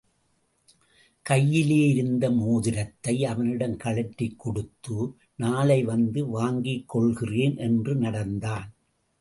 கையிலே இருந்த மோதிரத்தை அவனிடம் கழற்றிக் கொடுத்து, நாளை வந்து வாங்கிக்கொள்கிறேன் என்று நடந்தான்.